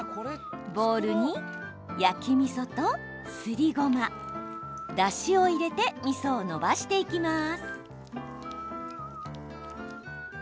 ボウルに焼きみそと、すりごまだしを入れてみそをのばしていきます。